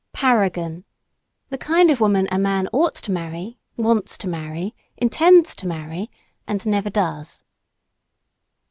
PARAGON The kind of woman a man ought to marry, wants to marry, intends to marry and never does.